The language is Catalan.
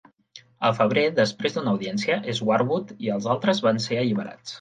Al febrer, després d'una audiència, Swartwout i els altres van ser alliberats.